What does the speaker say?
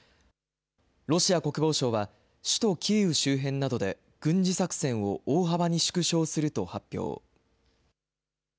ロシア国防省は、首都キーウ周辺などで軍事作戦を大幅に縮小すると発表。